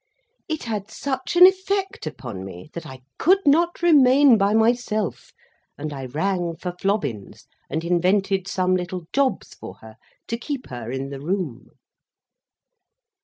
It had such an effect upon me, that I could not remain by myself, and I rang for Flobbins, and invented some little jobs for her, to keep her in the room.